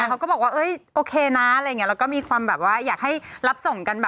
เขาก็บอกว่าโอเคนะเราก็มีความอยากให้รับส่งกัน